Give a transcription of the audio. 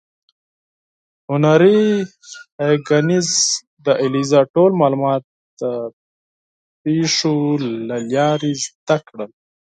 هنري هیګینز د الیزا ټول معلومات د پیښو له لارې زده کړل.